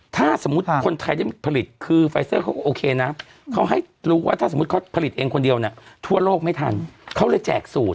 ถ้าสมมุติคนไทยได้ผลิตคือไฟเซอร์เขาก็โอเคนะเขาให้รู้ว่าถ้าสมมุติเขาผลิตเองคนเดียวเนี่ยทั่วโลกไม่ทันเขาเลยแจกสูตร